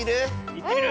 いってみる？